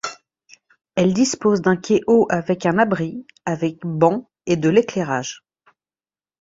Elle dispose d'un quai haut avec un abri, avec banc, et de l'éclairage.